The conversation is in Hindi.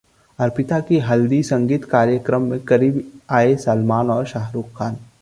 अर्पिता की हल्दी-संगीत कार्यक्रम में करीब आए सलमान और शाहरुख खान